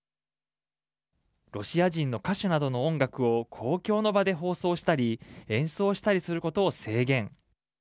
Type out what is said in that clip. ロシア人の歌手などの音楽を公共の場で放送したり演奏したりすることを制限。